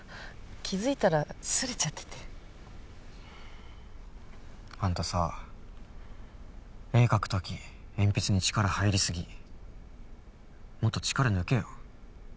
気づいたらすれちゃっててあんたさ絵描くとき鉛筆に力入りすぎもっと力抜けよ